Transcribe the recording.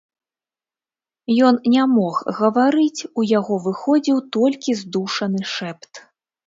Ён не мог гаварыць, у яго выходзіў толькі здушаны шэпт.